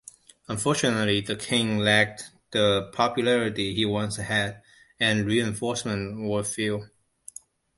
Unfortunately, the King lacked the popularity he once had, and reinforcements were few.